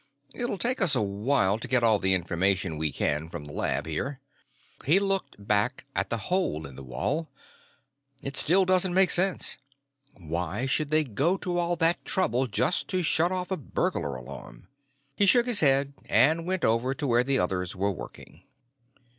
It'll take us a while to get all the information we can from the lab, here." He looked back at the hole in the wall. "It still doesn't make sense. Why should they go to all that trouble just to shut off a burglar alarm?" He shook his head and went over to where the others were working.